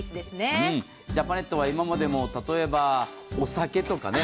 ジャパネットは今までも、例えばお酒とかね。